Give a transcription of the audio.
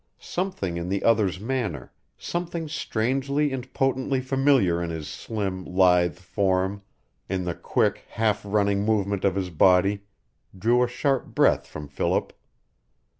Something in the other's manner, something strangely and potently familiar in his slim, lithe form, in the quick, half running movement of his body, drew a sharp breath from Philip.